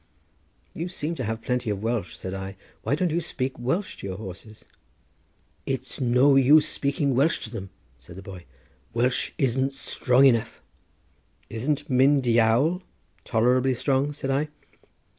"You seem to have plenty of Welsh," said I; "why don't you speak Welsh to your horses?" "It's of no use speaking Welsh to them," said the boy; "Welsh isn't strong enough." "Isn't Myn Diawl tolerably strong?" said I.